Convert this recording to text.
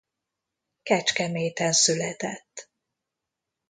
Kecskeméten született.